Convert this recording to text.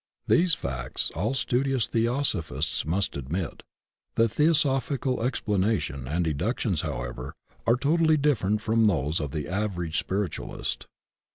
These facts all studious Theosophists must admit. The theosophical explanation and deductions, however, are totally different from those of the average spiritualist.